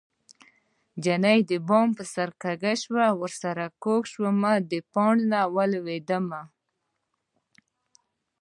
نجلۍ د بام په سر کږه شوه ورسره کوږ شومه د پانډه ولوېدمه